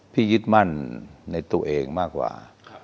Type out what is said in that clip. ยึดมั่นในตัวเองมากกว่า